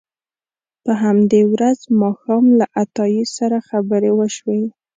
په همدې ورځ ماښام له عطایي سره خبرې وشوې.